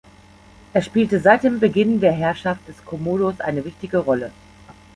Er spielte seit dem Beginn der Herrschaft des Commodus eine wichtige Rolle.